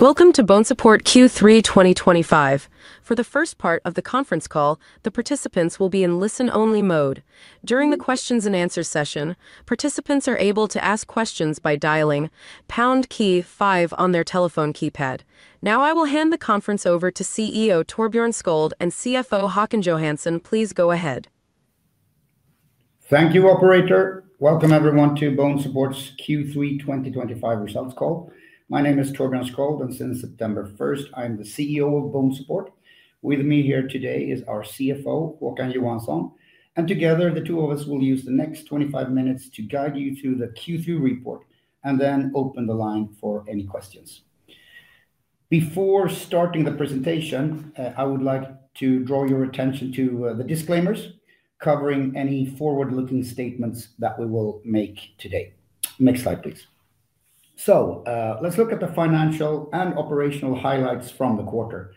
Welcome to BONESUPPORT Q3 2025. For the first part of the conference call, the participants will be in listen-only mode. During the questions and answers session, participants are able to ask questions by dialing pound key five on their telephone keypad. Now, I will hand the conference over to CEO Torbjörn Sköld and CFO Håkan Johansson, please go ahead. Thank you, operator. Welcome everyone to BONESUPPORT's Q3 2025 results call. My name is Torbjörn Sköld and since September 1st, I am the CEO of BONESUPPORT. With me here today is our CFO, Håkan Johansson, and together the two of us will use the next 25 minutes to guide you through the Q3 report and then open the line for any questions. Before starting the presentation, I would like to draw your attention to the disclaimers covering any forward-looking statements that we will make today. Next slide, please. Let's look at the financial and operational highlights from the quarter.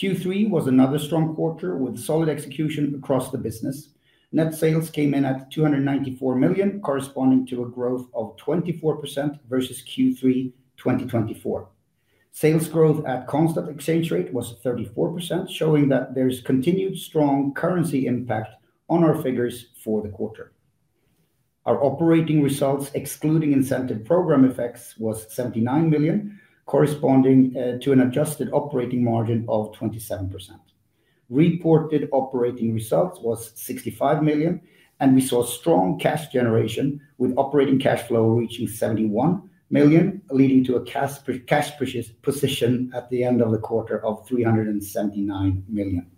Q3 was another strong quarter with solid execution across the business. Net sales came in at 294 million, corresponding to a growth of 24% versus Q3 2024. Sales growth at constant currency was 34%, showing that there is continued strong currency impact on our figures for the quarter. Our operating results, excluding incentive program effects, was 79 million, corresponding to an adjusted operating margin of 27%. Reported operating results was 65 million, and we saw strong cash generation with operating cash flow reaching 71 million, leading to a cash position at the end of the quarter of 379 million.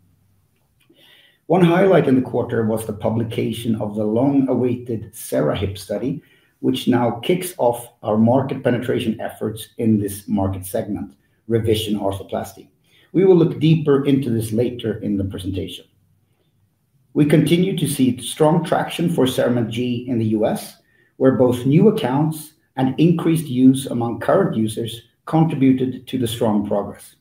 One highlight in the quarter was the publication of the long-awaited CeraHip study, which now kicks off our market penetration efforts in this market segment: revision arthroplasty. We will look deeper into this later in the presentation. We continue to see strong traction for CERAMENT G in the U.S., where both new accounts and increased use among current users contributed to the strong progress.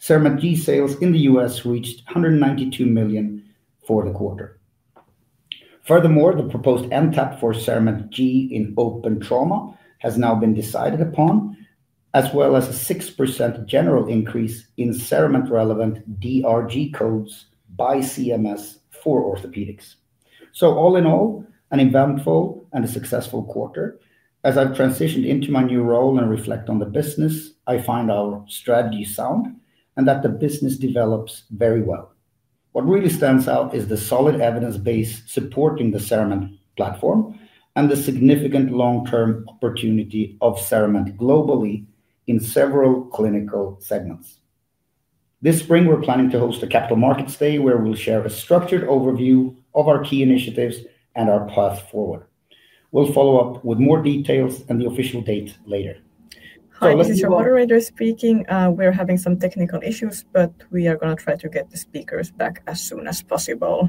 CERAMENT G sales in the U.S. reached 192 million for the quarter. Furthermore, the proposed NTAP for CERAMENT G in open trauma has now been decided upon, as well as a 6% general increase in CERAMENT relevant DRG codes by CMS for orthopedics. All in all, an eventful and successful quarter. As I've transitioned into my new role and reflect on the business, I find our strategy sound and that the business develops very well. What really stands out is the solid evidence base supporting the CERAMENT platform and the significant long-term opportunity of CERAMENT globally in several clinical segments. This spring, we're planning to host a Capital Markets Day where we'll share a structured overview of our key initiatives and our path forward. We'll follow up with more details and the official date later. Hi, this is the moderator speaking. We're having some technical issues, but we are going to try to get the speakers back as soon as possible.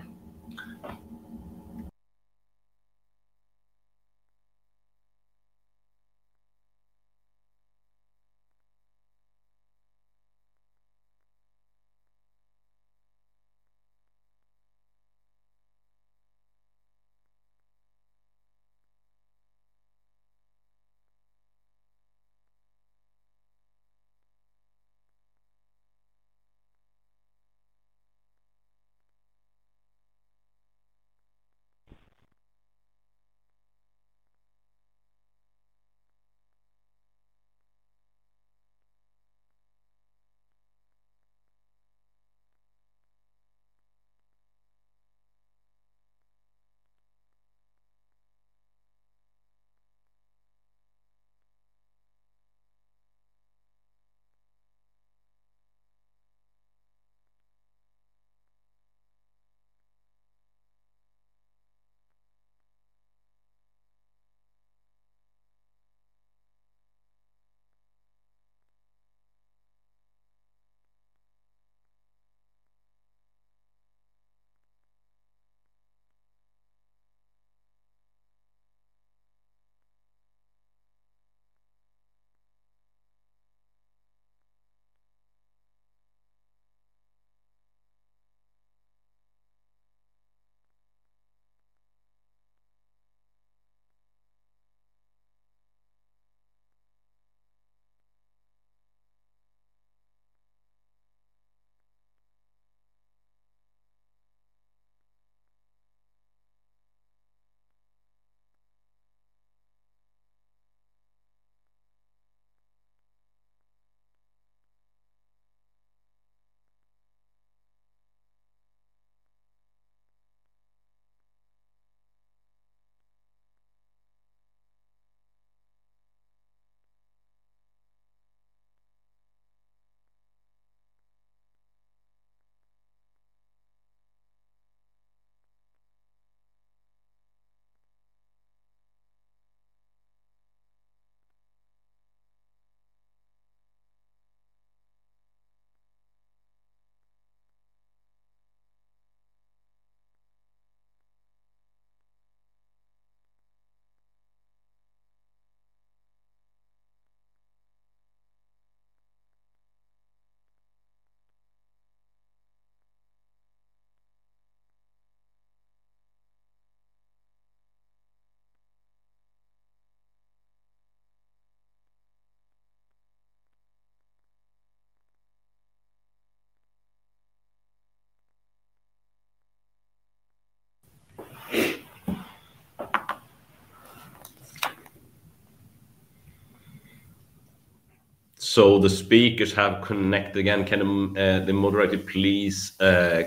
The speakers have connected again. Can the moderator please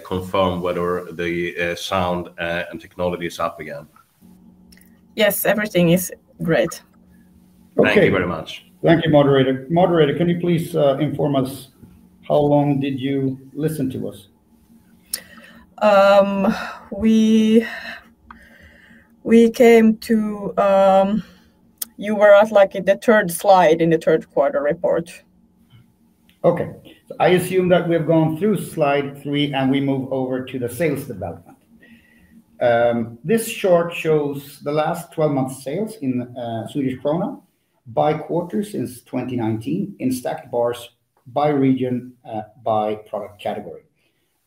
confirm whether the sound and technology is up again? Yes, everything is great. Thank you very much. Thank you, moderator. Moderator, can you please inform us how long did you listen to us? We came to, you were at the third slide in the third quarter report. Okay. I assume that we have gone through Slide 3 and we move over to the sales development. This chart shows the last 12 months' sales in Swedish krona by quarter since 2019 in stacked bars by region by product category.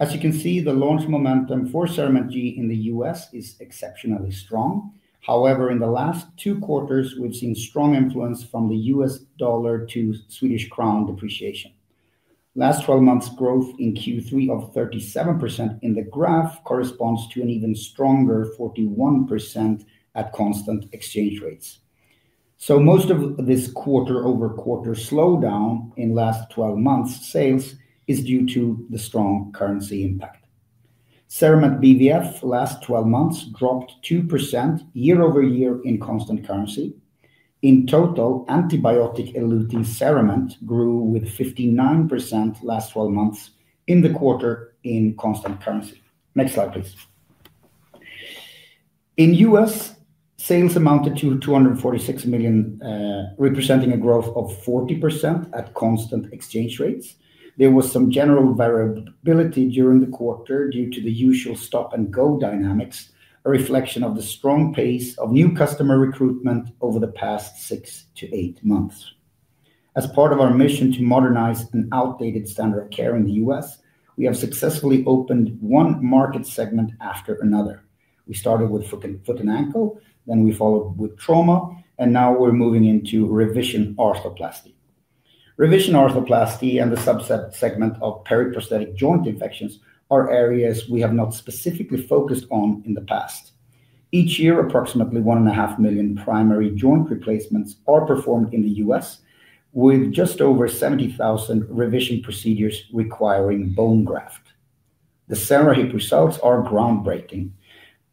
As you can see, the launch momentum for CERAMENT G in the U.S. is exceptionally strong. However, in the last two quarters, we've seen strong influence from the U.S. dollar to Swedish krona depreciation. Last 12 months' growth in Q3 of 37% in the graph corresponds to an even stronger 41% at constant exchange rates. Most of this quarter-over-quarter slowdown in the last 12 months' sales is due to the strong currency impact. CERAMENT BVF last 12 months dropped 2% year-over-year in constant currency. In total, antibiotic-eluting CERAMENT grew with 59% last 12 months in the quarter in constant currency. Next slide, please. In the U.S., sales amounted to 246 million, representing a growth of 40% at constant exchange rates. There was some general variability during the quarter due to the usual stop-and-go dynamics, a reflection of the strong pace of new customer recruitment over the past six to eight months. As part of our mission to modernize an outdated standard of care in the U.S., we have successfully opened one market segment after another. We started with foot and ankle, then we followed with trauma, and now we're moving into revision arthroplasty. Revision arthroplasty and the subset segment of periprosthetic joint infections are areas we have not specifically focused on in the past. Each year, approximately 1.5 million primary joint replacements are performed in the U.S., with just over 70,000 revision procedures requiring bone graft. The CeraHip study results are groundbreaking.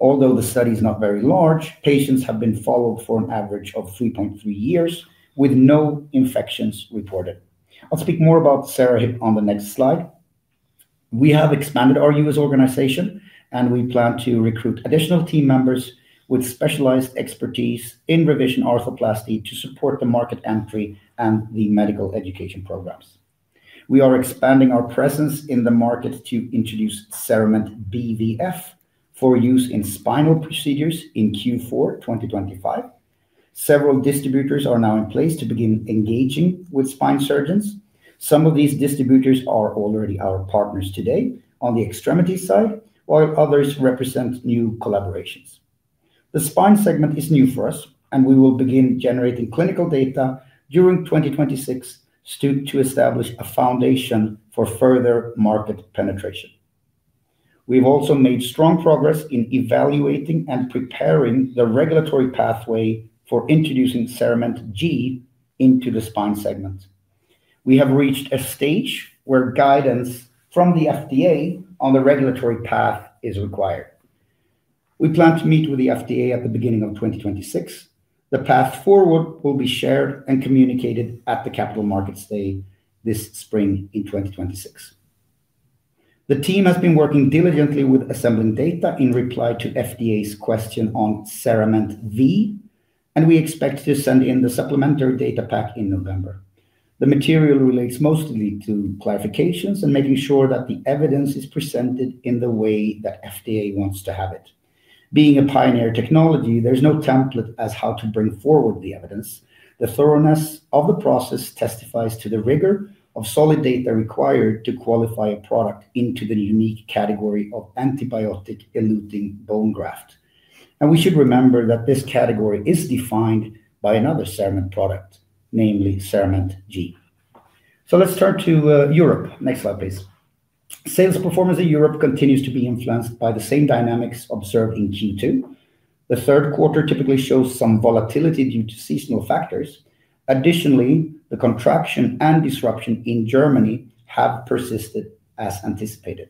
Although the study is not very large, patients have been followed for an average of 3.3 years with no infections reported. I'll speak more about CeraHip on the next slide. We have expanded our U.S. organization, and we plan to recruit additional team members with specialized expertise in revision arthroplasty to support the market entry and the medical education programs. We are expanding our presence in the market to introduce CERAMENT BVF for use in spine procedures in Q4 2025. Several distributors are now in place to begin engaging with spine surgeons. Some of these distributors are already our partners today on the extremity side, while others represent new collaborations. The spine segment is new for us, and we will begin generating clinical data during 2026 to establish a foundation for further market penetration. We've also made strong progress in evaluating and preparing the regulatory pathway for introducing CERAMENT G into the spine segment. We have reached a stage where guidance from the FDA on the regulatory path is required. We plan to meet with the FDA at the beginning of 2026. The path forward will be shared and communicated at the Capital Markets Day this spring in 2026. The team has been working diligently with assembling data in reply to FDA's question on CERAMENT V, and we expect to send in the supplementary data pack in November. The material relates mostly to clarifications and making sure that the evidence is presented in the way that FDA wants to have it. Being a pioneer technology, there's no template as how to bring forward the evidence. The thoroughness of the process testifies to the rigor of solid data required to qualify a product into the unique category of antibiotic-eluting bone graft. We should remember that this category is defined by another CERAMENT product, namely CERAMENT G. Let's turn to Europe. Next slide, please. Sales performance in Europe continues to be influenced by the same dynamics observed in Q2. The third quarter typically shows some volatility due to seasonal factors. Additionally, the contraction and disruption in Germany have persisted as anticipated.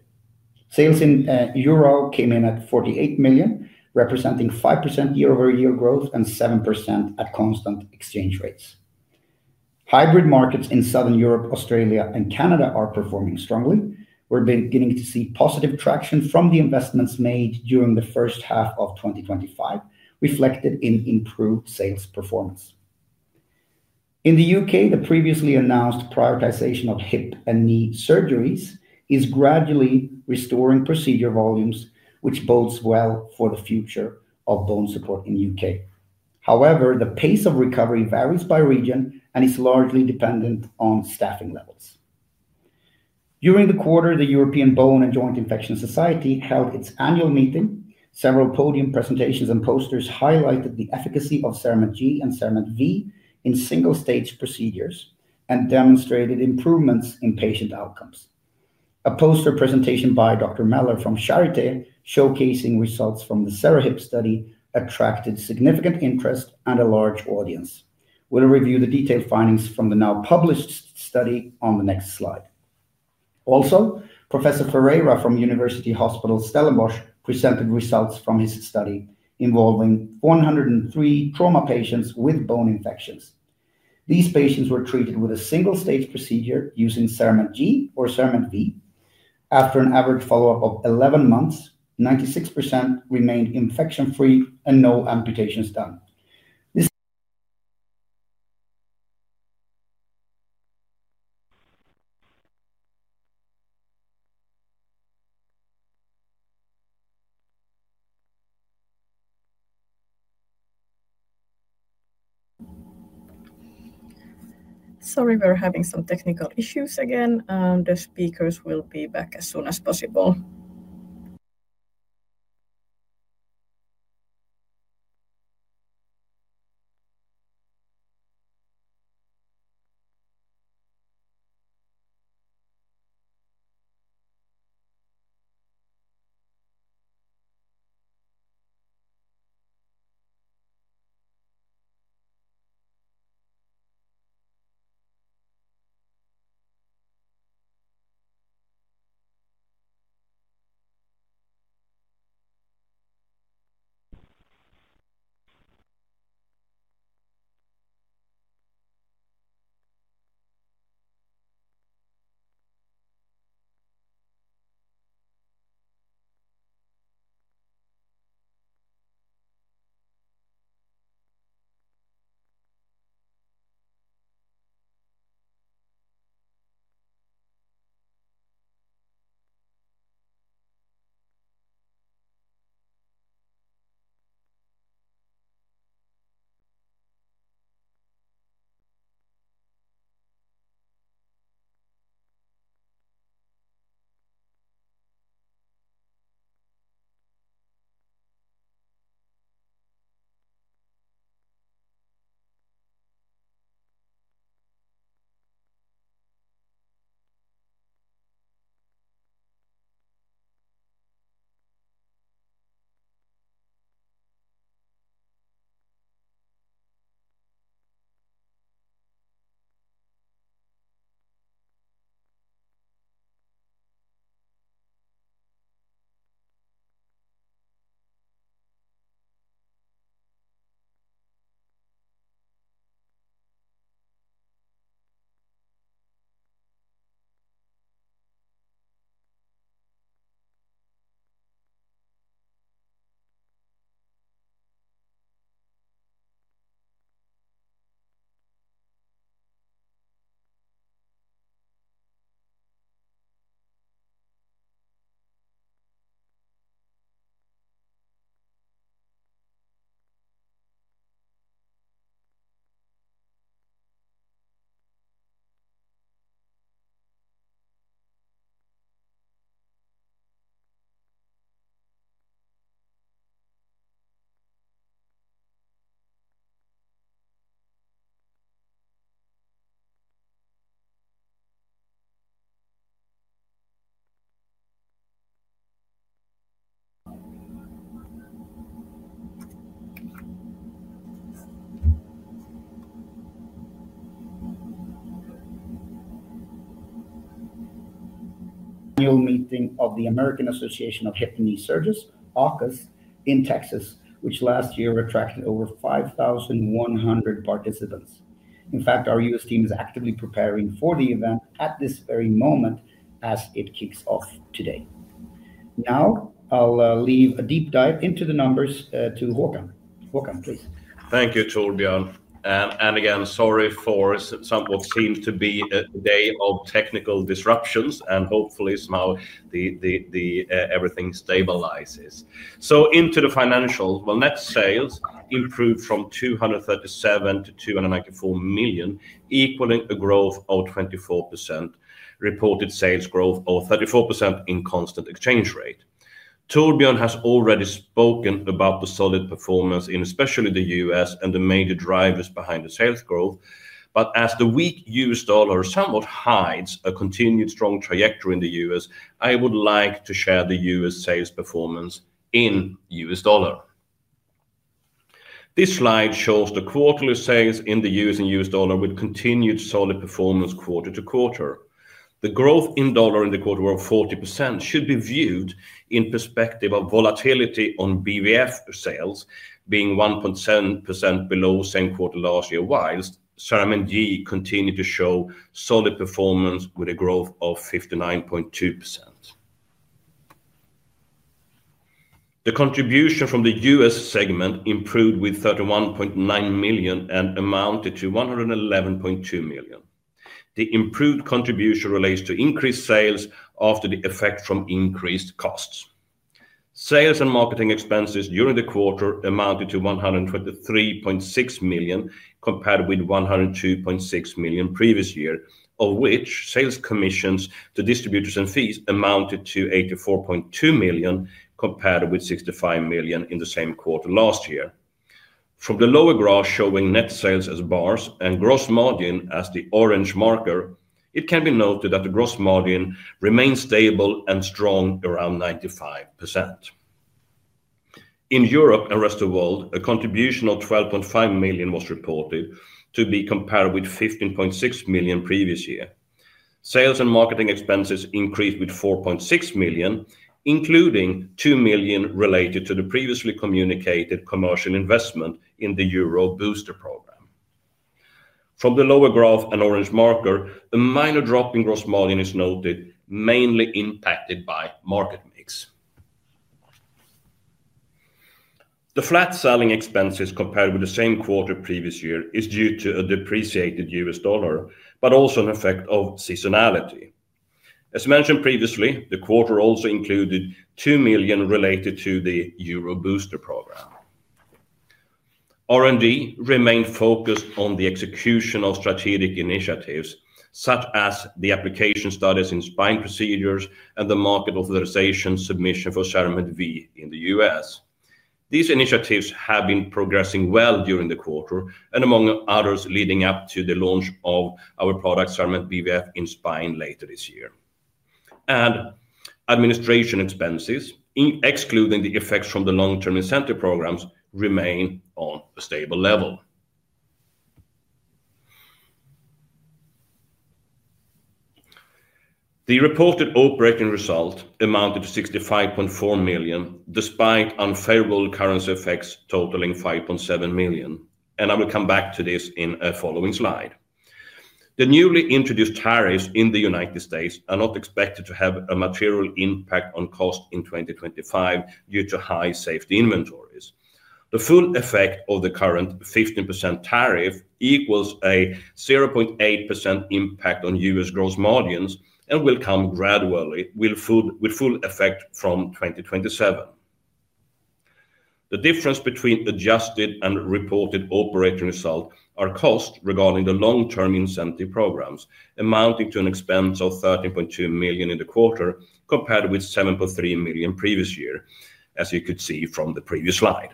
Sales in Europe came in at 48 million, representing 5% year-over-year growth and 7% at constant exchange rates. Hybrid markets in Southern Europe, Australia, and Canada are performing strongly. We're beginning to see positive traction from the investments made during the first half of 2025, reflected in improved sales performance. In the U.K., the previously announced prioritization of hip and knee surgeries is gradually restoring procedure volumes, which bodes well for the future of BONESUPPORT in the U.K. However, the pace of recovery varies by region and is largely dependent on staffing levels. During the quarter, the European Bone and Joint Infection Society held its annual meeting. Several podium presentations and posters highlighted the efficacy of CERAMENT G and CERAMENT V in single-stage procedures and demonstrated improvements in patient outcomes. A poster presentation by Dr. Meller from Charité, showcasing results from the CeraHip study, attracted significant interest and a large audience. We'll review the detailed findings from the now published study on the next slide. Also, Professor Ferreira from University Hospital Stellenbosch presented results from his study involving 103 trauma patients with bone infections. These patients were treated with a single-stage procedure using CERAMENT G or CERAMENT V. After an average follow-up of 11 months, 96% remained infection-free, and no amputations done. Sorry, we're having some technical issues again. The speakers will be back as soon as possible. Annual meeting of the American Association of Hip and Knee Surgeons, AAHKS, in Texas, which last year attracted over 5,100 participants. In fact, our U.S. team is actively preparing for the event at this very moment as it kicks off today. Now, I'll leave a deep dive into the numbers to Håkan. Håkan, please. Thank you, Torbjörn. Again, sorry for what seems to be a day of technical disruptions, and hopefully somehow everything stabilizes. Into the financials, net sales improved from 237 million to 294 million, equaling a growth of 24%. Reported sales growth of 34% in constant currency. Torbjörn has already spoken about the solid performance in especially the U.S. and the major drivers behind the sales growth. As the weak U.S. dollar somewhat hides a continued strong trajectory in the U.S., I would like to share the U.S. sales performance in U.S. dollar. This slide shows the quarterly sales in the U.S. in U.S. dollar with continued solid performance quarter to quarter. The growth in dollar in the quarter of 40% should be viewed in perspective of volatility on CERAMENT BVF sales, being 1.7% below same quarter last year, whilst CERAMENT G continued to show solid performance with a growth of 59.2%. The contribution from the U.S. segment improved with 31.9 million and amounted to 111.2 million. The improved contribution relates to increased sales after the effect from increased costs. Sales and marketing expenses during the quarter amounted to 123.6 million compared with 102.6 million previous year, of which sales commissions to distributors and fees amounted to 84.2 million compared with 65 million in the same quarter last year. From the lower graph showing net sales as bars and gross margin as the orange marker, it can be noted that the gross margin remains stable and strong around 95%. In Europe and the rest of the world, a contribution of 12.5 million was reported to be compared with 15.6 million previous year. Sales and marketing expenses increased with 4.6 million, including 2 million related to the previously communicated commercial investment in the Euro booster program. From the lower graph and orange marker, a minor drop in gross margin is noted, mainly impacted by market mix. The flat selling expenses compared with the same quarter previous year is due to a depreciated U.S. dollar, but also an effect of seasonality. As mentioned previously, the quarter also included 2 million related to the Euro booster program. R&D remained focused on the execution of strategic initiatives such as the application studies in spine procedures and the market authorization submission for CERAMENT V in the U.S. These initiatives have been progressing well during the quarter and among others leading up to the launch of our product CERAMENT BVF in spine later this year. Administration expenses, excluding the effects from the long-term incentive programs, remain on a stable level. The reported operating result amounted to 65.4 million, despite unfavorable currency effects totaling 5.7 million, and I will come back to this in a following slide. The newly introduced tariffs in the U.S. are not expected to have a material impact on cost in 2025 due to high safety inventories. The full effect of the current 15% tariff equals a 0.8% impact on U.S. gross margins and will come gradually with full effect from 2027. The difference between adjusted and reported operating result are costs regarding the long-term incentive programs amounting to an expense of 13.2 million in the quarter compared with 7.3 million previous year, as you could see from the previous slide.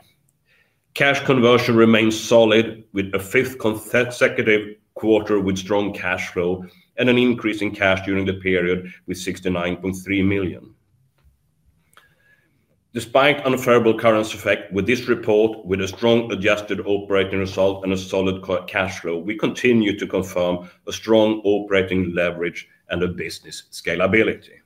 Cash conversion remains solid with a fifth consecutive quarter with strong cash flow and an increase in cash during the period with 69.3 million. Despite unfavorable currency effect, with this report, with a strong adjusted operating result and a solid cash flow, we continue to confirm a strong operating leverage and a business scalability.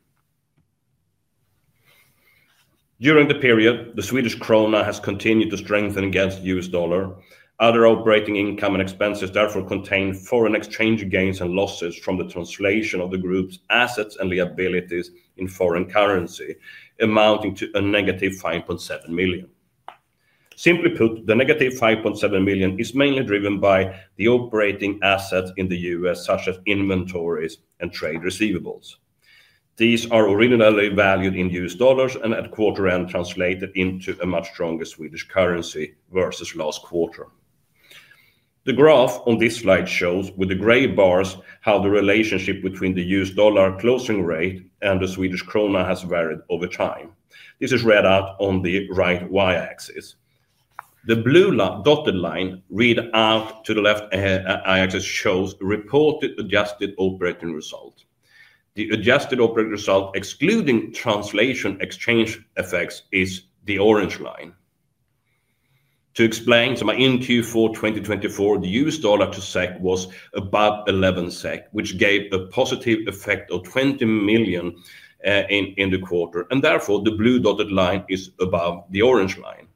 During the period, the Swedish krona has continued to strengthen against the U.S. dollar. Other operating income and expenses therefore contain foreign exchange gains and losses from the translation of the group's assets and liabilities in foreign currency, amounting to a -5.7 million. Simply put, the -5.7 million is mainly driven by the operating assets in the U.S., such as inventories and trade receivables. These are originally valued in U.S. dollars and at quarter end translated into a much stronger Swedish currency versus last quarter. The graph on this slide shows with the gray bars how the relationship between the U.S. dollar closing rate and the Swedish krona has varied over time. This is read out on the right y-axis. The blue dotted line read out to the left axis shows the reported adjusted operating result. The adjusted operating result excluding translation exchange effects is the orange line. To explain, in Q4 2024, the U.S. dollar to SEK was above 11 SEK, which gave a positive effect of 20 million in the quarter, and therefore the blue dotted line is above the orange line.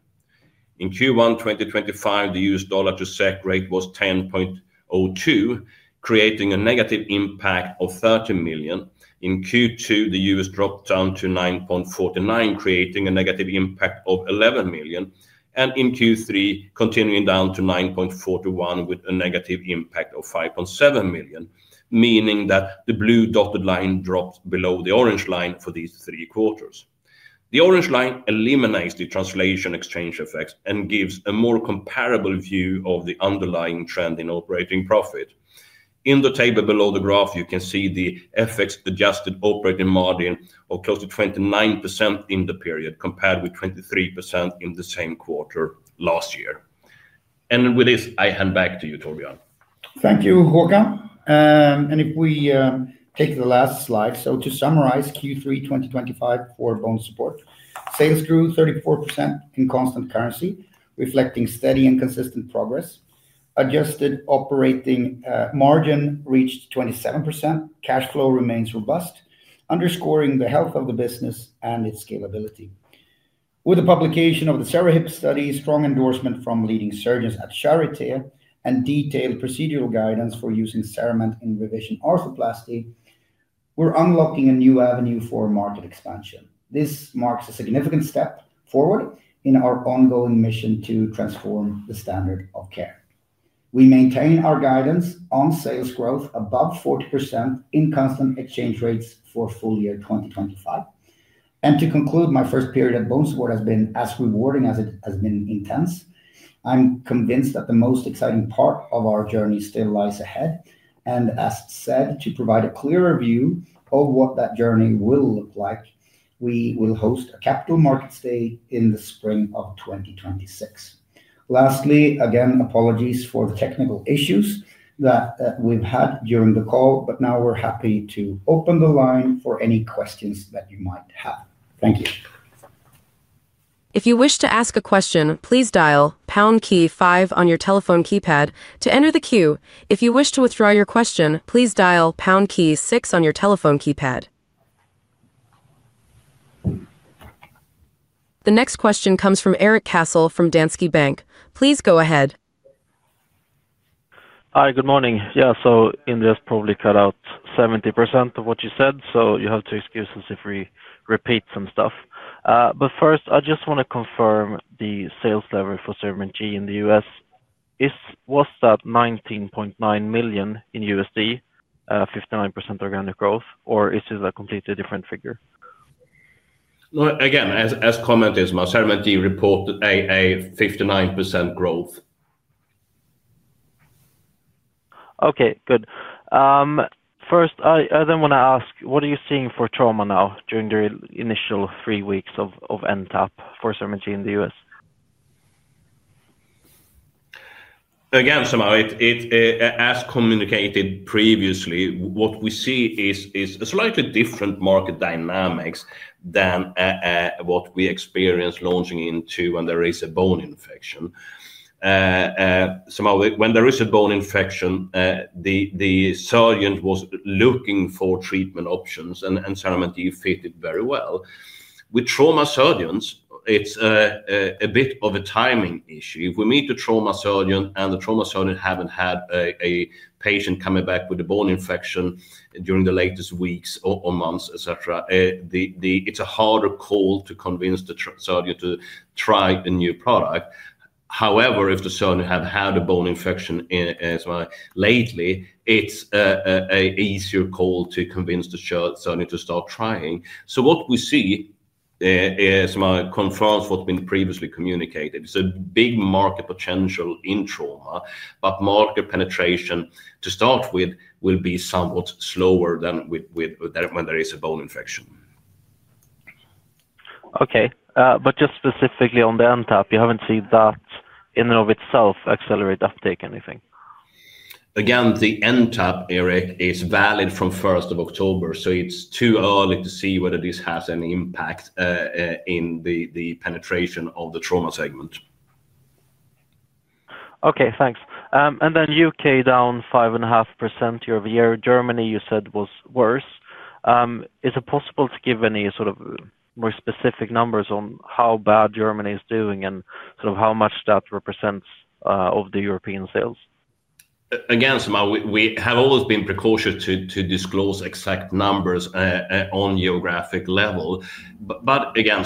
In Q1 2025, the U.S. dollar to SEK rate was 10.02, creating a negative impact of 30 million. In Q2, the U.S. dropped down to 9.49, creating a negative impact of $11 million, and in Q3, continuing down to 9.41 with a negative impact of $5.7 million, meaning that the blue dotted line dropped below the orange line for these three quarters. The orange line eliminates the translation exchange effects and gives a more comparable view of the underlying trend in operating profit. In the table below the graph, you can see the FX adjusted operating margin of close to 29% in the period compared with 23% in the same quarter last year. With this, I hand back to you, Torbjörn. Thank you, Håkan. If we take the last slide. To summarize, Q3 2025 for BONESUPPORT, sales grew 34% in constant currency, reflecting steady and consistent progress. Adjusted operating margin reached 27%. Cash flow remains robust, underscoring the health of the business and its scalability. With the publication of the CeraHip study, strong endorsement from leading surgeons at Charité, and detailed procedural guidance for using CERAMENT G in revision arthroplasty, we're unlocking a new avenue for market expansion. This marks a significant step forward in our ongoing mission to transform the standard of care. We maintain our guidance on sales growth above 40% in constant currency for full year 2025. To conclude, my first period at BONESUPPORT has been as rewarding as it has been intense. I'm convinced that the most exciting part of our journey still lies ahead. As said, to provide a clearer view of what that journey will look like, we will host a Capital Markets Day in the spring of 2026. Lastly, again, apologies for the technical issues that we've had during the call, but now we're happy to open the line for any questions that you might have. Thank you. If you wish to ask a question, please dial pound key five on your telephone keypad to enter the queue. If you wish to withdraw your question, please dial pound key six on your telephone keypad. The next question comes from Erik Cassel from Danske Bank. Please go ahead. Hi, good morning. Inderes probably cut out 70% of what you said, so you have to excuse us if we repeat some stuff. First, I just want to confirm the sales lever for CERAMENT G in the U.S. Was that $19.9 million, 59% organic growth, or is it a completely different figure? Again, as commented as well, CERAMENT G reported a 59% growth. Okay, good. First, I then want to ask, what are you seeing for trauma now during the initial three weeks of NTAP for CERAMENT G in the U.S.? Again, as communicated previously, what we see is a slightly different market dynamics than what we experienced launching into when there is a bone infection. When there is a bone infection, the surgeon was looking for treatment options, and CERAMENT G fitted very well. With trauma surgeons, it's a bit of a timing issue. If we meet a trauma surgeon and the trauma surgeon hasn't had a patient coming back with a bone infection during the latest weeks or months, it's a harder call to convince the surgeon to try a new product. However, if the surgeon has had a bone infection lately, it's an easier call to convince the surgeon to start trying. What we see confirms what's been previously communicated. It's a big market potential in trauma, but market penetration to start with will be somewhat slower than when there is a bone infection. Okay, just specifically on the NTAP, you haven't seen that in and of itself accelerate uptake anything? Again, the NTAP, Erik, is valid from 1st of October, so it's too early to see whether this has any impact in the penetration of the trauma segment. Okay, thanks. U.K. down 5.5% year-over-year. Germany, you said, was worse. Is it possible to give any sort of more specific numbers on how bad Germany is doing and sort of how much that represents of the European sales? Again, we have always been precautious to disclose exact numbers on a geographic level, but again,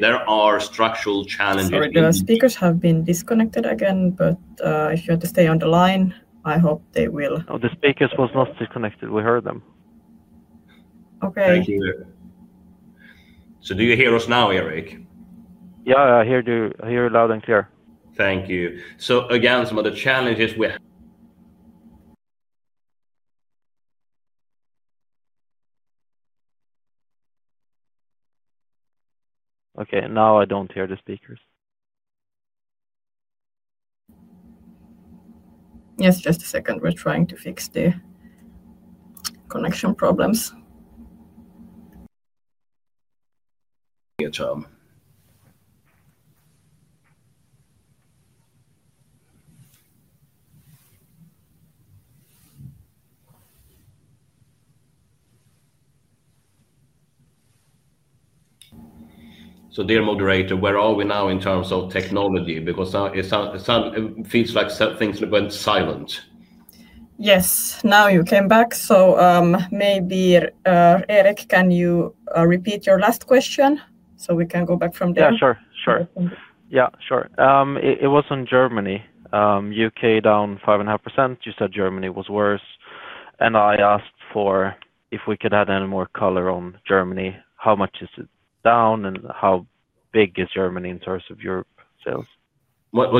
there are structural challenges. Sorry, the speakers have been disconnected again. If you have to stay on the line, I hope they will. Oh, the speakers were not disconnected. We heard them. Okay. Thank you. Do you hear us now, Erik? Yeah, I hear you loud and clear. Thank you. Again, some of the challenges we. Okay, now I don't hear the speakers. Yes, just a second. We're trying to fix the connection problems.. Dear moderator, where are we now in terms of technology? It feels like things went silent. Yes, now you came back. Maybe, Erik, can you repeat your last question so we can go back from there? Yeah, sure. It was on Germany. U.K. down 5.5%. You said Germany was worse. I asked if we could add any more color on Germany. How much is it down and how big is Germany in terms of Europe sales?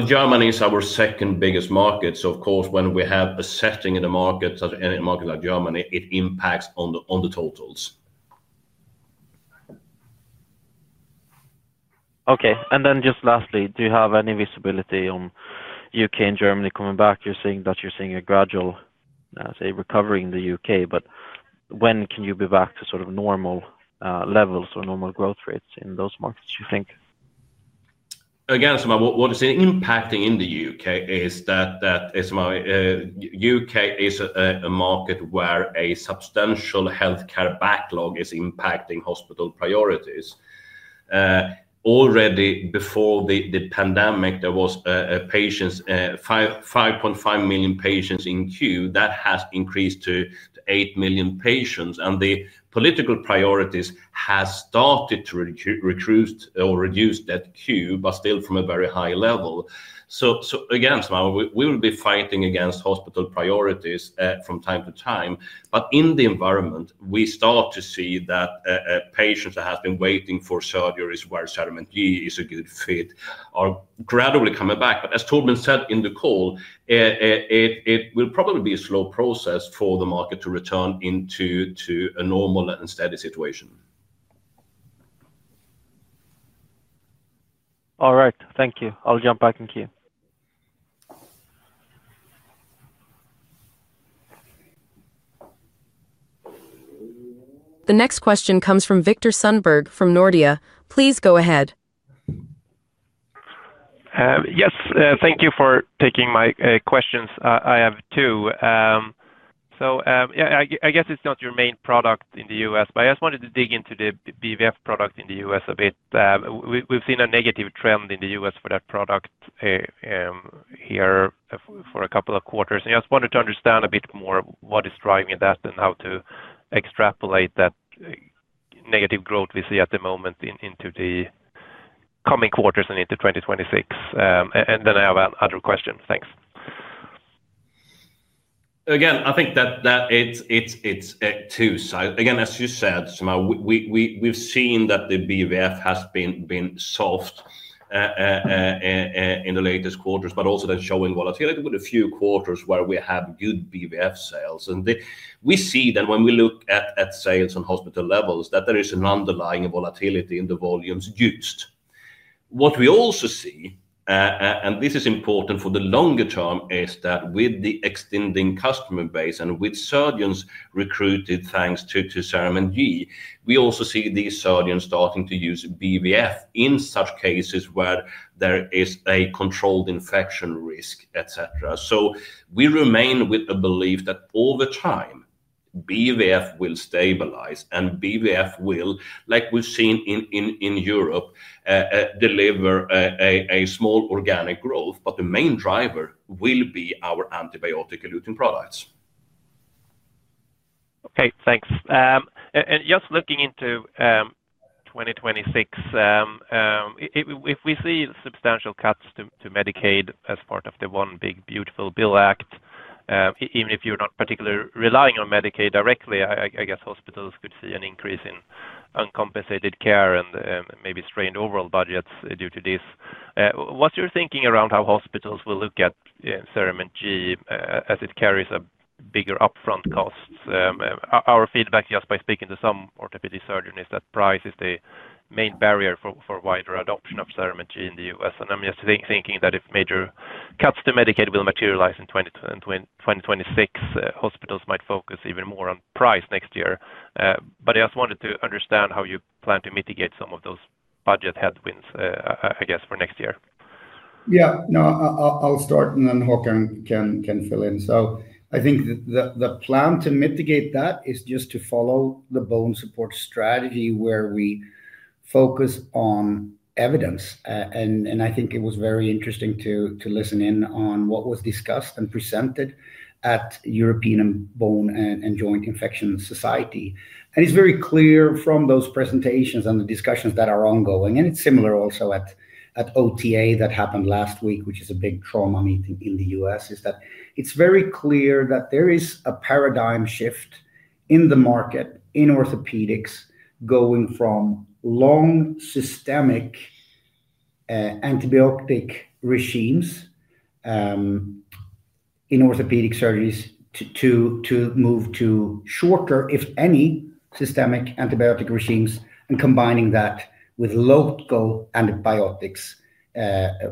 Germany is our second biggest market. Of course, when we have a setting in a market like Germany, it impacts on the totals. Okay. Lastly, do you have any visibility on U.K. and Germany coming back? You're saying that you're seeing a gradual, I'd say, recovery in the U.K., but when can you be back to sort of normal levels or normal growth rates in those markets, do you think? Again, what is impacting in the U.K. is that the U.K. is a market where a substantial healthcare backlog is impacting hospital priorities. Already before the pandemic, there were 5.5 million patients in queue. That has increased to 8 million patients. The political priorities have started to reduce that queue, but still from a very high level. We will be fighting against hospital priorities from time to time. In the environment, we start to see that patients that have been waiting for surgeries where CERAMENT G is a good fit are gradually coming back. As Torbjörn said in the call, it will probably be a slow process for the market to return into a normal and steady situation. All right, thank you. I'll jump back in queue. The next question comes from Viktor Sundberg from Nordea. Please go ahead. Yes, thank you for taking my questions. I have two. I guess it's not your main product in the U.S., but I just wanted to dig into the CERAMENT BVF product in the U.S. a bit. We've seen a negative trend in the U.S. for that product here for a couple of quarters. I just wanted to understand a bit more what is driving that and how to extrapolate that negative growth we see at the moment into the coming quarters and into 2026. I have another question. Thanks. Again, I think that it's two. As you said, we've seen that the CERAMENT BVF has been soft in the latest quarters, but also that showing volatility with a few quarters where we have good CERAMENT BVF sales. We see that when we look at sales on hospital levels, there is an underlying volatility in the volumes used. What we also see, and this is important for the longer term, is that with the extending customer base and with surgeons recruited thanks to CERAMENT G, we also see these surgeons starting to use CERAMENT BVF in such cases where there is a controlled infection risk, etc. We remain with the belief that over time, CERAMENT BVF will stabilize and CERAMENT BVF will, like we've seen in Europe, deliver a small organic growth, but the main driver will be our antibiotic-eluting products. Okay, thanks. Just looking into 2026, if we see substantial cuts to Medicaid as part of the one Big Beautiful Bill Act, even if you're not particularly relying on Medicaid directly, I guess hospitals could see an increase in uncompensated care and maybe strained overall budgets due to this. What's your thinking around how hospitals will look at CERAMENT G as it carries bigger upfront costs? Our feedback, just by speaking to some orthopedic surgeons, is that price is the main barrier for wider adoption of CERAMENT G in the U.S. I'm just thinking that if major cuts to Medicaid will materialize in 2026, hospitals might focus even more on price next year. I just wanted to understand how you plan to mitigate some of those budget headwinds, I guess, for next year. Yeah, no, I'll start and then Håkan can fill in. I think the plan to mitigate that is just to follow the BONESUPPORT strategy where we focus on evidence. I think it was very interesting to listen in on what was discussed and presented at the European Bone and Joint Infection Society. It's very clear from those presentations and the discussions that are ongoing, and it's similar also at OTA that happened last week, which is a big trauma meeting in the U.S., that it's very clear that there is a paradigm shift in the market in orthopedics going from long systemic antibiotic regimes in orthopedic surgeries to move to shorter, if any, systemic antibiotic regimes and combining that with local antibiotics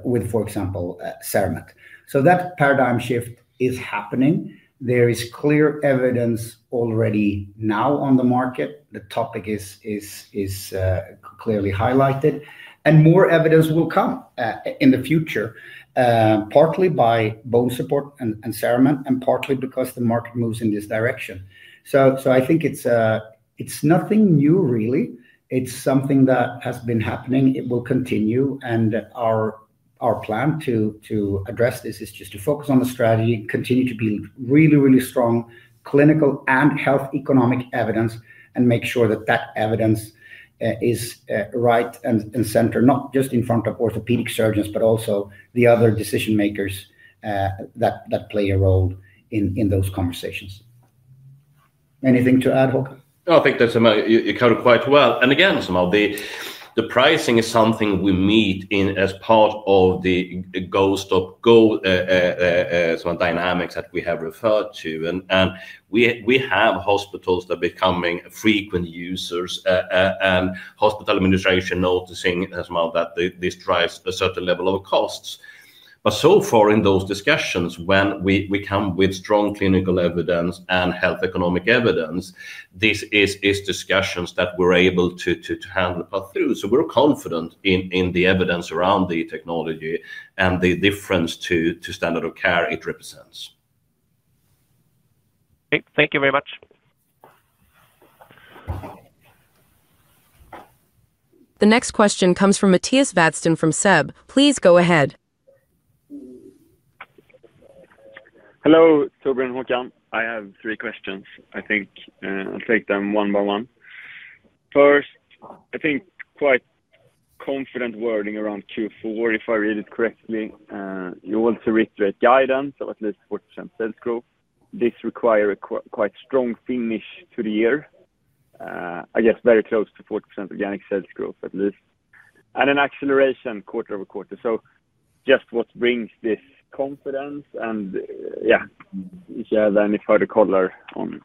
with, for example, CERAMENT G. That paradigm shift is happening. There is clear evidence already now on the market. The topic is clearly highlighted. More evidence will come in the future, partly by BONESUPPORT and the CERAMENT and partly because the market moves in this direction. I think it's nothing new, really. It's something that has been happening. It will continue. Our plan to address this is just to focus on the strategy, continue to build really, really strong clinical and health economic evidence, and make sure that that evidence is right and centered, not just in front of orthopedic surgeons, but also the other decision makers that play a role in those conversations. Anything to add, Håkan? No, I think that's covered quite well. The pricing is something we meet in as part of the go-stop go dynamics that we have referred to. We have hospitals that are becoming frequent users and hospital administration noticing as well that this drives a certain level of costs. In those discussions, when we come with strong clinical evidence and health economic evidence, these are discussions that we're able to handle part through. We're confident in the evidence around the technology and the difference to standard of care it represents. Thank you very much. The next question comes from Mattias Vadsten from SEB. Please go ahead. Hello, Torbjörn, Håkan. I have three questions. I think I'll take them one by one. First, I think quite confident wording around Q4, if I read it correctly. You want to reiterate guidance of at least 40% sales growth. This requires a quite strong finish to the year. I guess very close to 40% organic sales growth at least, and an acceleration quarter over quarter. Just what brings this confidence? If you have any further color on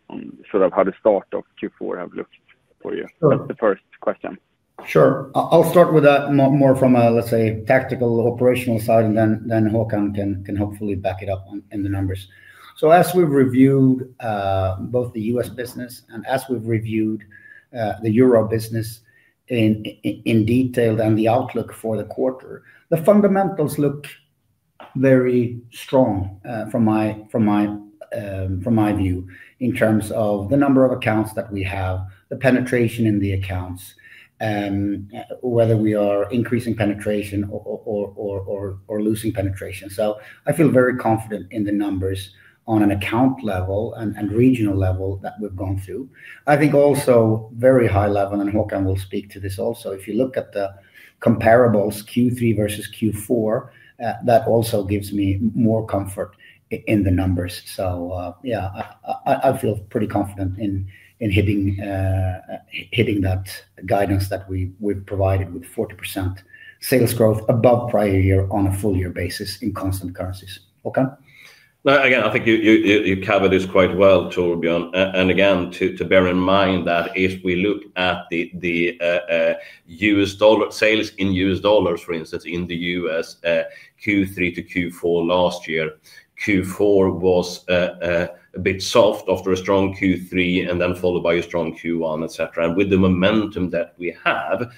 sort of how the start of Q4 have looked for you, that's the first question. Sure. I'll start with that more from a, let's say, tactical operational side, and then Håkan can hopefully back it up in the numbers. As we've reviewed both the U.S. business and as we've reviewed the Euro business in detail and the outlook for the quarter, the fundamentals look very strong from my view in terms of the number of accounts that we have, the penetration in the accounts, whether we are increasing penetration or losing penetration. I feel very confident in the numbers on an account level and regional level that we've gone through. I think also very high level, and Håkan will speak to this also, if you look at the comparables Q3 versus Q4, that also gives me more comfort in the numbers. I feel pretty confident in hitting that guidance that we've provided with 40% sales growth above prior year on a full year basis in constant currencies. Håkan? I think you cover this quite well, Torbjörn. To bear in mind, if we look at the U.S. dollar sales in U.S. dollars, for instance, in the U.S. Q3 to Q4 last year, Q4 was a bit soft after a strong Q3, then followed by a strong Q1, etc. With the momentum that we have,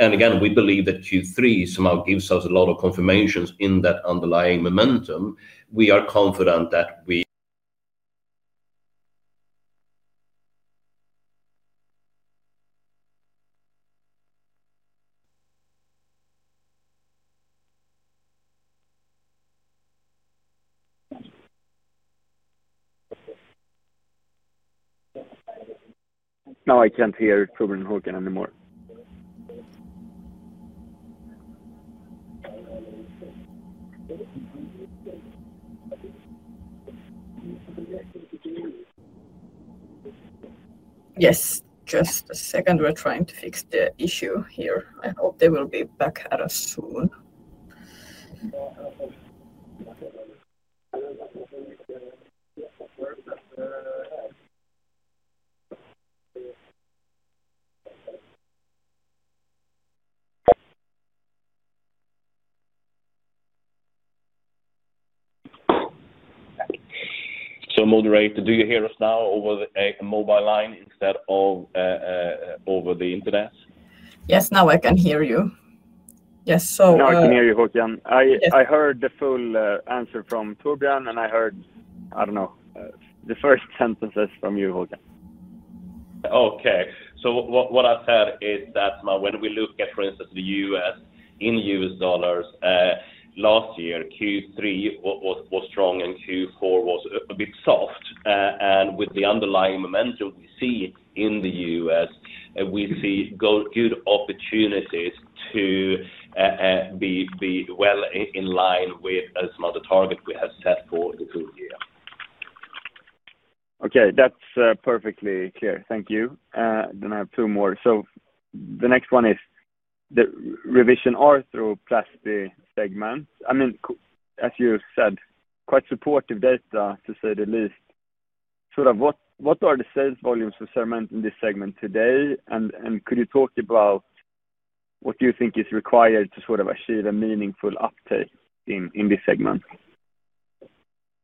we believe that Q3 somehow gives us a lot of confirmations in that underlying momentum. We are confident that we... No, I can't hear Torbjörn Håkan anymore. Yes, just a second. We're trying to fix the issue here. I hope they will be back at us soon. Moderator, do you hear us now over the mobile line instead of over the internet? Yes, now I can hear you. Yes. Yeah, I can hear you, Håkan. I heard the full answer from Torbjörn, and I heard the first sentences from you, Håkan. What I've heard is that when we look at, for instance, the U.S. in U.S. dollars, last year, Q3 was strong and Q4 was a bit soft. With the underlying momentum we see in the U.S., we see good opportunities to be well in line with the target we have set for the full year. Okay, that's perfectly clear. Thank you. I have two more. The next one is the revision arthroplasty segment. I mean, as you said, quite supportive data, to say the least. What are the sales volumes of CERAMENT G in this segment today? Could you talk about what you think is required to achieve a meaningful uptake in this segment?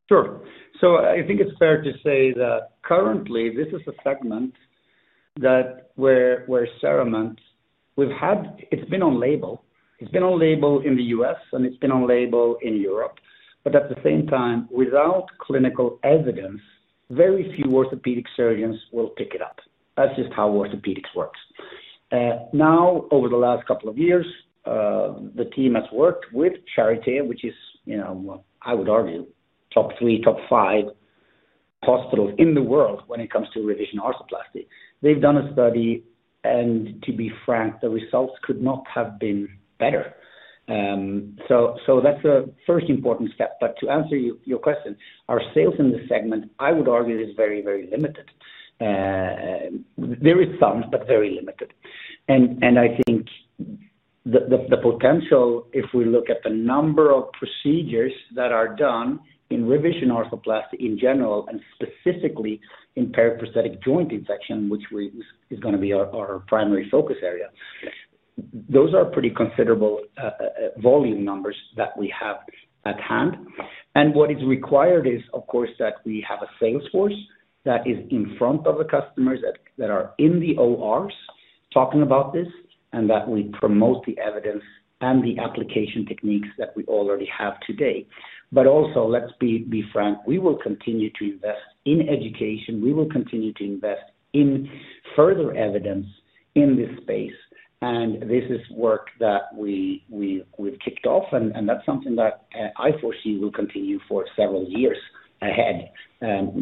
Sure. I think it's fair to say that currently this is a segment where CERAMENT, it's been on label. It's been on label in the U.S. and it's been on label in Europe. At the same time, without clinical evidence, very few orthopedic surgeons will pick it up. That's just how orthopedics works. Over the last couple of years, the team has worked with Charité, which is, you know, I would argue, top three, top five hospitals in the world when it comes to revision arthroplasty. They've done a study, and to be frank, the results could not have been better. That's the first important step. To answer your question, our sales in this segment, I would argue, is very, very limited. There is some, but very limited. I think the potential, if we look at the number of procedures that are done in revision arthroplasty in general and specifically in periprosthetic joint infection, which is going to be our primary focus area, those are pretty considerable volume numbers that we have at hand. What is required is, of course, that we have a sales force that is in front of the customers that are in the ORs talking about this and that we promote the evidence and the application techniques that we already have today. Also, let's be frank, we will continue to invest in education. We will continue to invest in further evidence in this space. This is work that we've kicked off, and that's something that I foresee will continue for several years ahead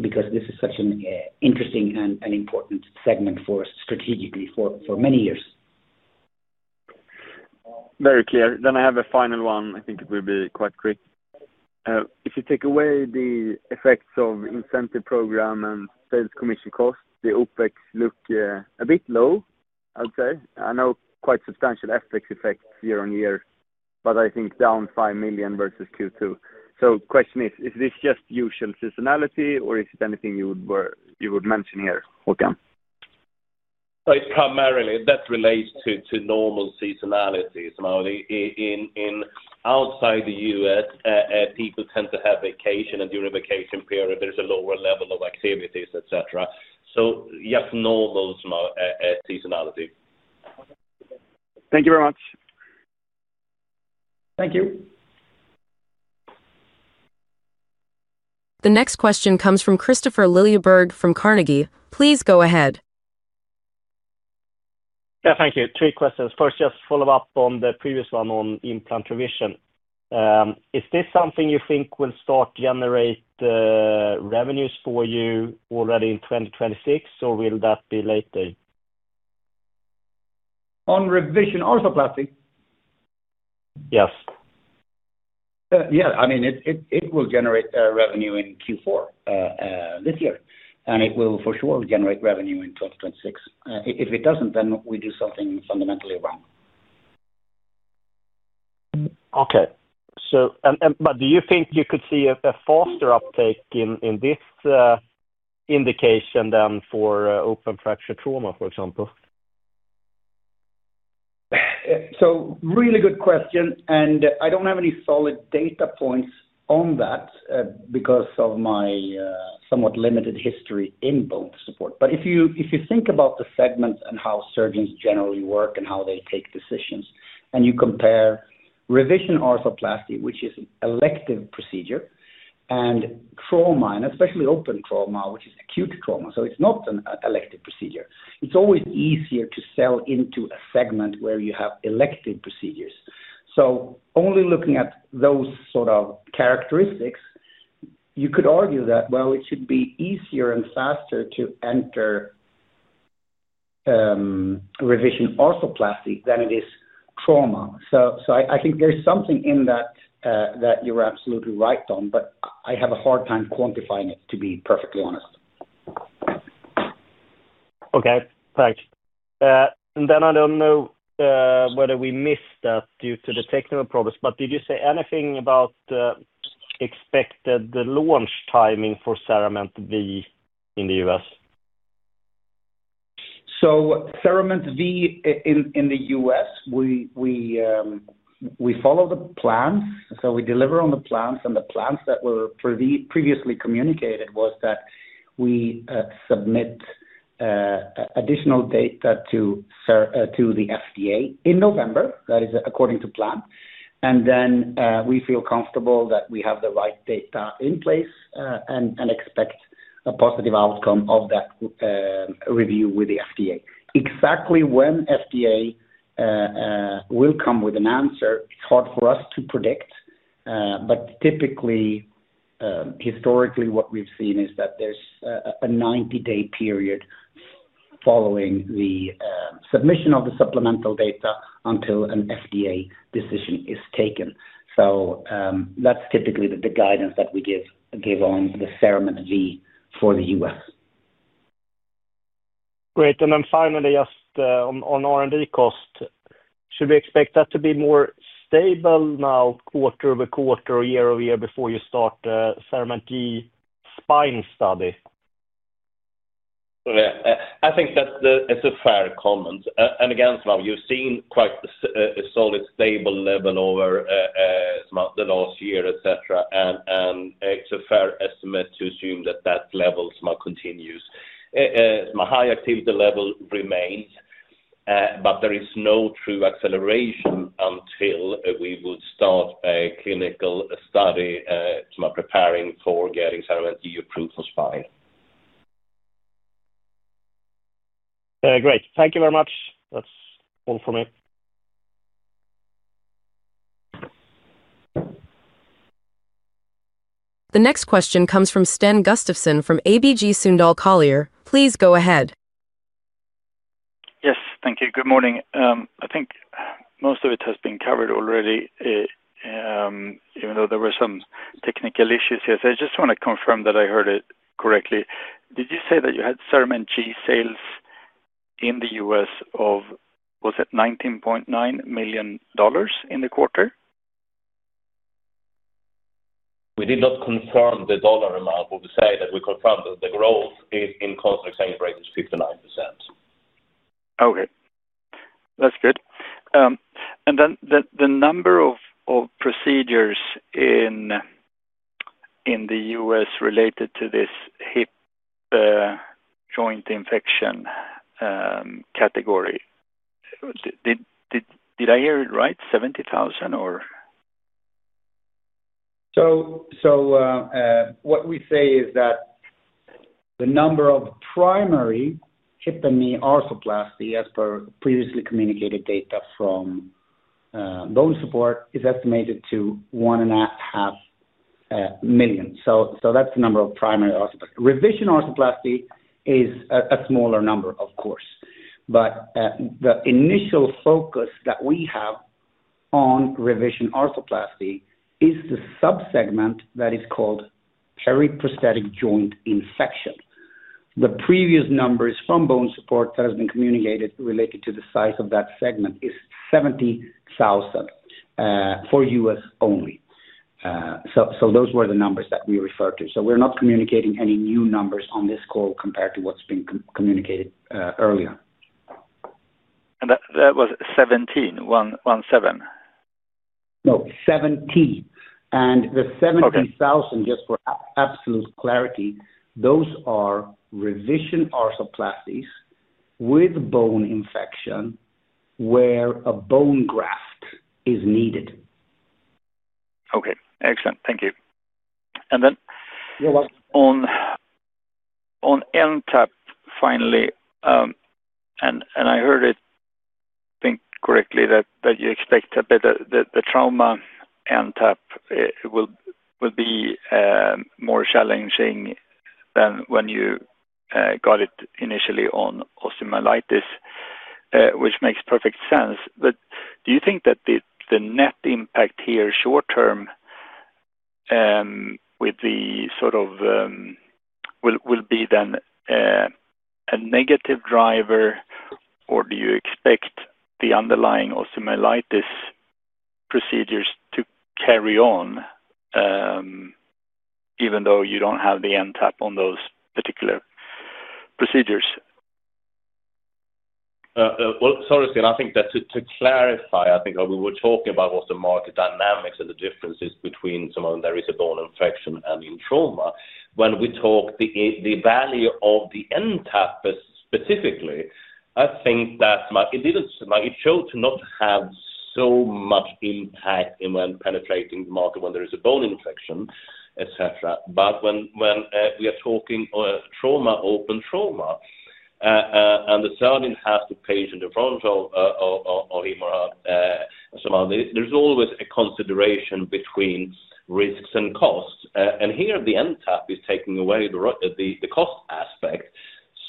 because this is such an interesting and important segment for us strategically for many years. Very clear. I have a final one. I think it will be quite quick. If you take away the effects of incentive program and sales commission costs, the OpEx looks a bit low, I'd say. I know quite substantial OpEx effects year-on-year, but I think down $5 million versus Q2. The question is, is this just usual seasonality or is it anything you would mention here, Håkan? It primarily relates to normal seasonality. Outside the U.S., people tend to have vacation, and during a vacation period, there's a lower level of activities, etc. Yes, normal seasonality. Thank you very much. Thank you. The next question comes from Christopher Lilleberg from Carnegie. Please go ahead. Thank you. Three questions. First, just to follow up on the previous one on implant revision. Is this something you think will start to generate revenues for you already in 2026, or will that be later? On revision arthroplasty? Yes. I mean, it will generate revenue in Q4 this year, and it will for sure generate revenue in 2026. If it doesn't, then we do something fundamentally wrong. Do you think you could see a faster uptake in this indication than for open fracture trauma, for example? That's a really good question. I don't have any solid data points on that because of my somewhat limited history in BONESUPPORT. If you think about the segment and how surgeons generally work and how they take decisions, and you compare revision arthroplasty, which is an elective procedure, and trauma, and especially open trauma, which is acute trauma, so it's not an elective procedure, it's always easier to sell into a segment where you have elective procedures. Only looking at those sort of characteristics, you could argue that it should be easier and faster to enter revision arthroplasty than it is trauma. I think there's something in that that you're absolutely right on, but I have a hard time quantifying it, to be perfectly honest. Okay, thanks. I don't know whether we missed that due to the technical problems, but did you say anything about the expected launch timing for CERAMENT V in the U.S.? CERAMENT V in the U.S., we follow the plans. We deliver on the plans. The plans that were previously communicated were that we submit additional data to the FDA in November. That is according to plan. We feel comfortable that we have the right data in place and expect a positive outcome of that review with the FDA. Exactly when FDA will come with an answer, it's hard for us to predict. Typically, historically, what we've seen is that there's a 90-day period following the submission of the supplemental data until an FDA decision is taken. That's typically the guidance that we give on the CERAMENT V for the U.S. Great. Finally, just on R&D cost, should we expect that to be more stable now quarter over quarter or year-over-year before you start the CERAMENT G spine study? I think that's a fair comment. You've seen quite a solid, stable level over the last year, etc. It's a fair estimate to assume that that level continues. High activity level remains, but there is no true acceleration until we would start a clinical study preparing for getting CERAMENT G approved for spine. Great. Thank you very much. That's all for me. The next question comes from Sten Gustafsson from ABG Sundal Collier. Please go ahead. Yes, thank you. Good morning. I think most of it has been covered already, even though there were some technical issues. I just want to confirm that I heard it correctly. Did you say that you had CERAMENT G sales in the U.S. of, was it $19.9 million in the quarter? We did not confirm the dollar amount, but we say that we confirmed that the growth in constant currency is 59%. Okay. That's good. The number of procedures in the U.S. related to this hip joint infection category, did I hear it right? 70,000 or? The number of primary hip and knee arthroplasty, as per previously communicated data from BONESUPPORT, is estimated to 1.5 million. That's the number of primary arthroplasty. Revision arthroplasty is a smaller number, of course. The initial focus that we have on revision arthroplasty is the subsegment that is called periprosthetic joint infection. The previous numbers from BONESUPPORT that have been communicated related to the size of that segment is 70,000 for U.S. only. Those were the numbers that we referred to. We're not communicating any new numbers on this call compared to what's been communicated earlier. That was 17, one seven? No, 17. The 70,000, just for absolute clarity, those are revision arthroplasties with bone infection where a bone graft is needed. Okay. Excellent. Thank you. You're welcome. On NTAP finally, I heard it, I think correctly, that you expect that the trauma NTAP will be more challenging than when you got it initially on osteomyelitis, which makes perfect sense. Do you think that the net impact here short-term will be then a negative driver, or do you expect the underlying osteomyelitis procedures to carry on even though you don't have the NTAP on those particular procedures? I think that to clarify, I think when we were talking about what the market dynamics and the differences between some of them, there is a bone infection and in trauma. When we talk the value of the NTAP specifically, I think that it didn't show to not have so much impact in penetrating the market when there is a bone infection, etc. When we are talking trauma, open trauma, and the surgeon has the patient in front of him or her, there's always a consideration between risks and costs. Here, the NTAP is taking away the cost aspect.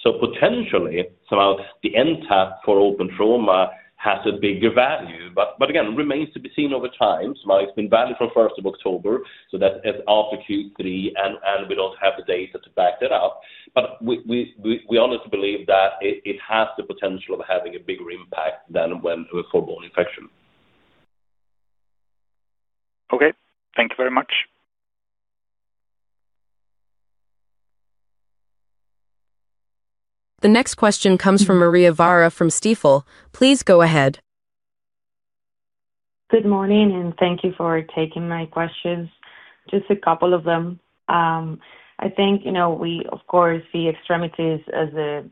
Potentially, the NTAP for open trauma has a bigger value. Again, it remains to be seen over time. It's been valid from October 1. That's after Q3, and we don't have the data to back that up. We honestly believe that it has the potential of having a bigger impact than for bone infection. Okay, thank you very much. The next question comes from Maria Vara from Stifel. Please go ahead. Good morning, and thank you for taking my questions. Just a couple of them. I think, you know, we, of course, see extremities as the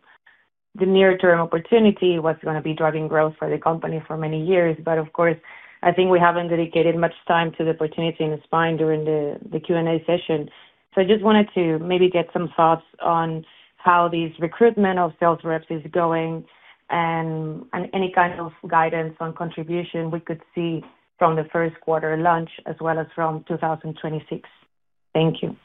near-term opportunity, what's going to be driving growth for the company for many years. I think we haven't dedicated much time to the opportunity in the spine during the Q&A session. I just wanted to maybe get some thoughts on how this recruitment of sales reps is going and any kind of guidance on contribution we could see from the first quarter launch as well as from 2026. Thank you.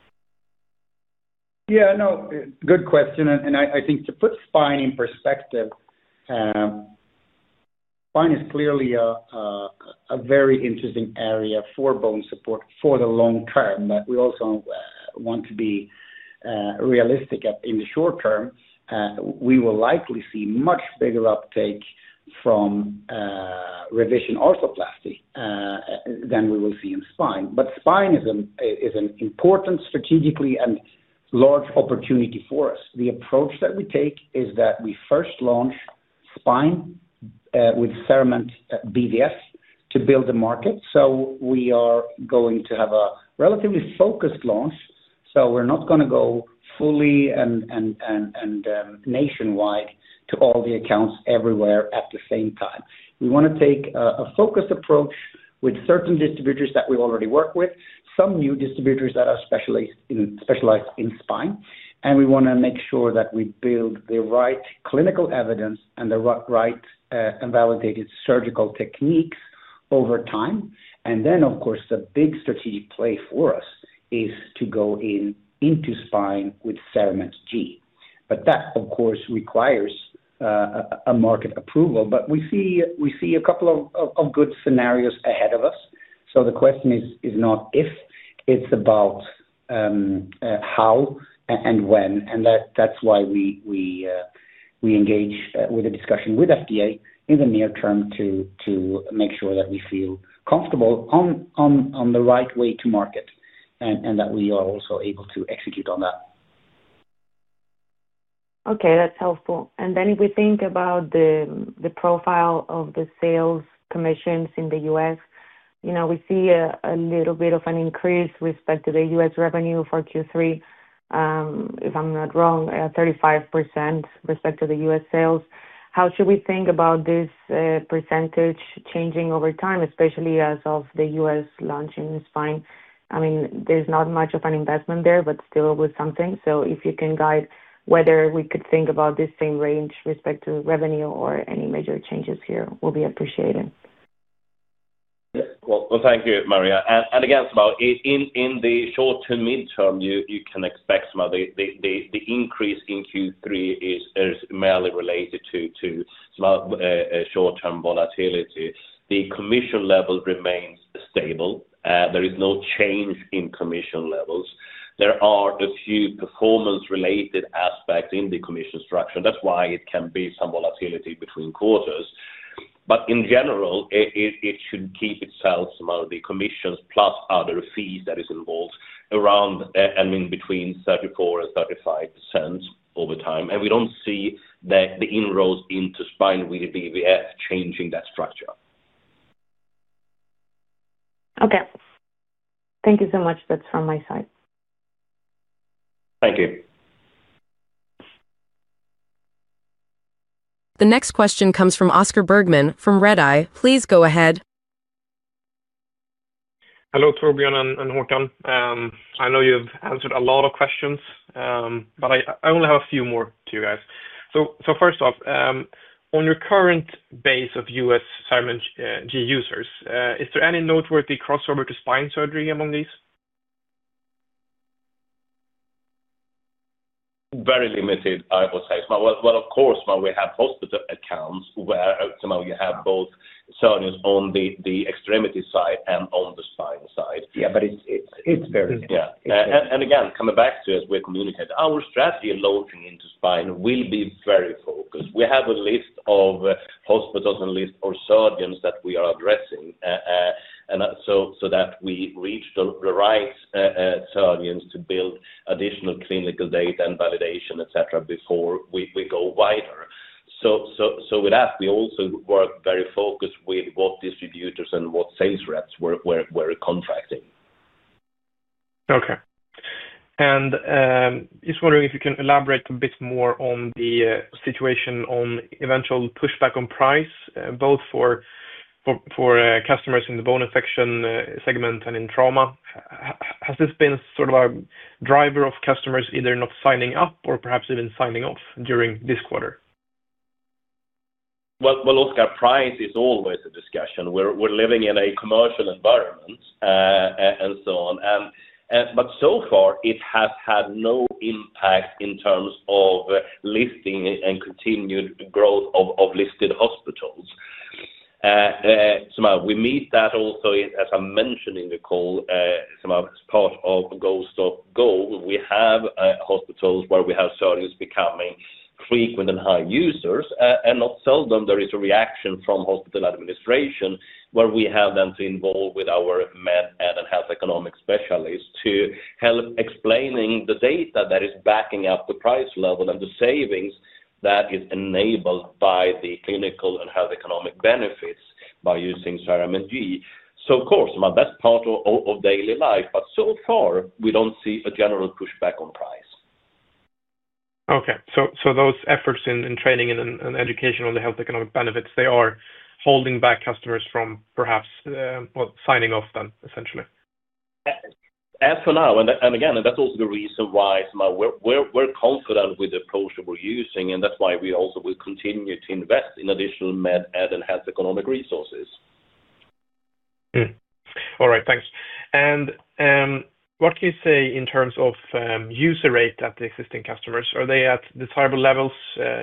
Yeah, no, good question. I think to put spine in perspective, spine is clearly a very interesting area for BONESUPPORT for the long-term. We also want to be realistic in the short term. We will likely see much bigger uptake from revision arthroplasty than we will see in spine. Spine is an important strategically and large opportunity for us. The approach that we take is that we first launch spine with CERAMENT BVF to build the market. We are going to have a relatively focused launch. We're not going to go fully and nationwide to all the accounts everywhere at the same time. We want to take a focused approach with certain distributors that we already work with, some new distributors that are specialized in spine. We want to make sure that we build the right clinical evidence and the right and validated surgical techniques over time. Of course, the big strategic play for us is to go into spine with CERAMENT G. That, of course, requires a market approval. We see a couple of good scenarios ahead of us. The question is not if, it's about how and when. That's why we engage with a discussion with FDA in the near term to make sure that we feel comfortable on the right way to market and that we are also able to execute on that. Okay, that's helpful. If we think about the profile of the sales commissions in the U.S., we see a little bit of an increase with respect to the U.S. revenue for Q3. If I'm not wrong, 35% with respect to the U.S. sales. How should we think about this percentage changing over time, especially as of the U.S. launch in spine? I mean, there's not much of an investment there, but still with something. If you can guide whether we could think about this same range with respect to revenue or any major changes here, it will be appreciated. Thank you, Maria. In the short to mid-term, you can expect the increase in Q3 is merely related to some short-term volatility. The commission level remains stable. There is no change in commission levels. There are a few performance-related aspects in the commission structure. That's why it can be some volatility between quarters. In general, it should keep itself among the commissions plus other fees that are involved around, I mean, between 34% and 35% over time. We don't see the inroads into spine with the CERAMENT BVF changing that structure. Okay, thank you so much. That's from my side. Thank you. The next question comes from Oscar Bergman from Redeye. Please go ahead. Hello, Torbjörn and Håkan. I know you've answered a lot of questions, but I only have a few more to you guys. First off, on your current base of U.S. CERAMENT G users, is there any noteworthy crossover to spine surgery among these? Very limited, I would say. Of course, we have hospital accounts where you have both surgeons on the extremity side and on the spine side. Yeah, it's very limited. As we've communicated, our strategy launching into spine will be very focused. We have a list of hospitals and a list of surgeons that we are addressing so that we reach the right surgeons to build additional clinical data and validation, etc., before we go wider. With that, we also work very focused with what distributors and what sales reps we're contracting. Okay. I'm just wondering if you can elaborate a bit more on the situation on eventual pushback on price, both for customers in the bone infection segment and in trauma. Has this been sort of a driver of customers either not signing up or perhaps even signing off during this quarter? Price is always a discussion. We're living in a commercial environment and so on. However, so far, it has had no impact in terms of listing and continued growth of listed hospitals. We meet that also, as I mentioned in the call, as part of Go Stop Go, we have hospitals where we have surgeons becoming frequent and high users. Not seldom, there is a reaction from hospital administration where we have them to involve with our med and health economic specialists to help explain the data that is backing up the price level and the savings that is enabled by the clinical and health economic benefits by using CERAMENT G. Of course, that's part of daily life. However, so far, we don't see a general pushback on price. Those efforts in training and education on the health economic benefits, they are holding back customers from perhaps, well, signing off then, essentially? As for now, that's also the reason why we're confident with the approach that we're using. That's why we also will continue to invest in additional med and health economic resources. All right, thanks. What can you say in terms of user rate at the existing customers? Are they at desirable levels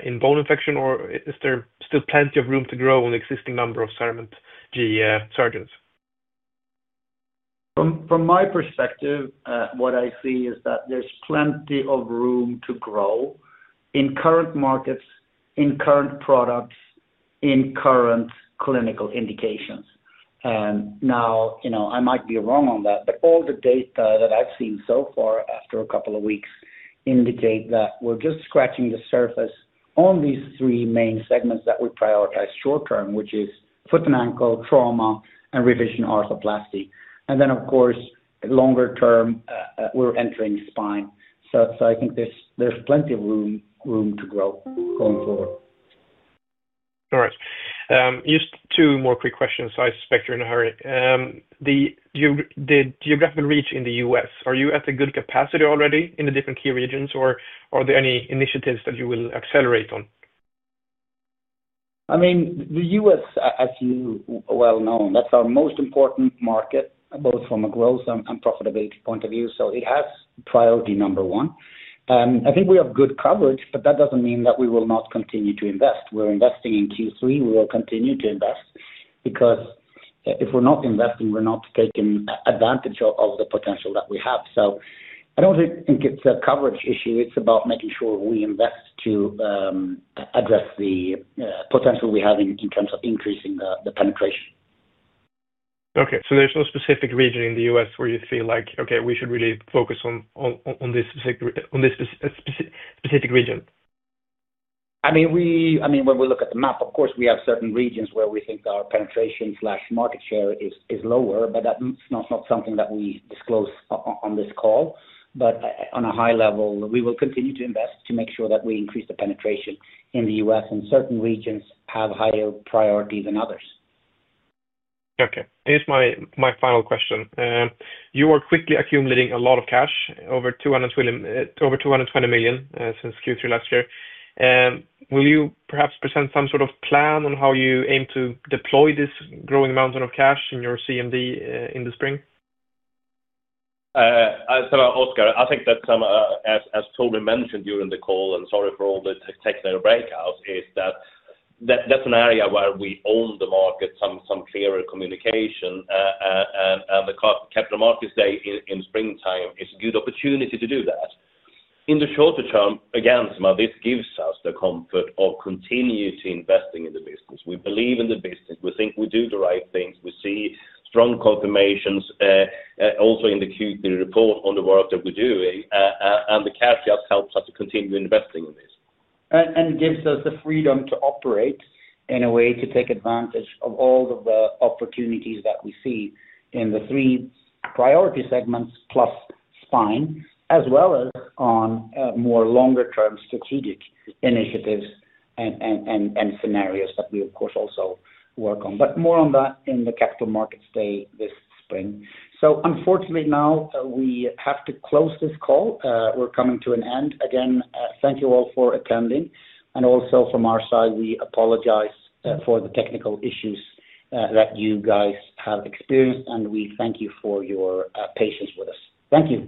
in bone infection, or is there still plenty of room to grow on the existing number of CERAMENT G surgeons? From my perspective, what I see is that there's plenty of room to grow in current markets, in current products, in current clinical indications. I might be wrong on that, but all the data that I've seen so far after a couple of weeks indicate that we're just scratching the surface on these three main segments that we prioritize short term, which is foot and ankle, trauma, and revision arthroplasty. Of course, longer term, we're entering spine. I think there's plenty of room to grow going forward. All right. Just two more quick questions. I suspect you're in a hurry. The geographical reach in the U.S., are you at a good capacity already in the different key regions, or are there any initiatives that you will accelerate on? I mean, the U.S., as you well know, that's our most important market, both from a growth and profitability point of view. It has priority number one. I think we have good coverage, but that doesn't mean that we will not continue to invest. We're investing in Q3. We will continue to invest because if we're not investing, we're not taking advantage of the potential that we have. I don't think it's a coverage issue. It's about making sure we invest to address the potential we have in terms of increasing the penetration. Okay, there's no specific region in the U.S. where you feel like, okay, we should really focus on this specific region? I mean, when we look at the map, of course, we have certain regions where we think our penetration slash market share is lower, but that's not something that we disclose on this call. At a high level, we will continue to invest to make sure that we increase the penetration in the U.S., and certain regions have higher priority than others. Okay. Here's my final question. You are quickly accumulating a lot of cash, over 220 million since Q3 last year. Will you perhaps present some sort of plan on how you aim to deploy this growing mountain of cash in your Capital Markets Day in the spring? I think that, as Torbjörn Sköld mentioned during the call, and sorry for all the technical breakouts, that's an area where we own the market, some clearer communication. The Capital Markets Day in springtime is a good opportunity to do that. In the shorter term, this gives us the comfort of continuing to invest in the business. We believe in the business. We think we do the right things. We see strong confirmations also in the Q3 report on the work that we're doing. The cash just helps us to continue investing in this. It gives us the freedom to operate in a way to take advantage of all of the opportunities that we see in the three priority segments plus spine, as well as on more longer-term strategic initiatives and scenarios that we, of course, also work on. More on that in the Capital Markets Day this spring. Unfortunately, now we have to close this call. We're coming to an end. Again, thank you all for attending. Also from our side, we apologize for the technical issues that you guys have experienced. We thank you for your patience with us. Thank you.